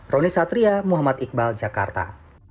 roni satria muhammad iqbal jakarta